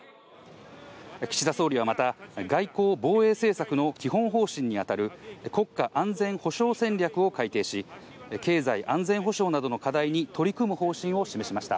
岸田総理はまた、外交防衛政策の基本方針に当たる、国家安全保障戦略を改定し、経済安全保障などの課題に取り組む方針を示しました。